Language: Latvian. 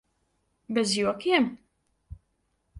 Bez jokiem?